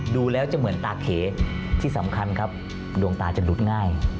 ดูแล้วจะเหมือนตาเขที่สำคัญครับดวงตาจะดูดง่าย